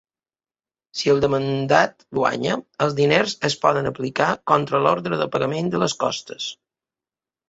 Si el demandat guanya, els diners es poden aplicar contra l'ordre de pagament de les costes.